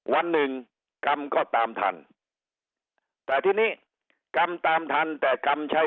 วันหนึ่งกรรมก็ตามทันแต่ทีนี้กรรมตามทันแต่กรรมใช้